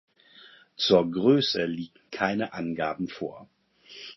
Zur Größe liegen keine Angaben vor.